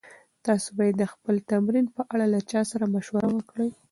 تاسي باید د خپل تمرین په اړه له چا سره مشوره وکړئ.